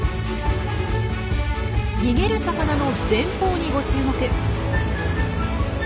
逃げる魚の前方にご注目。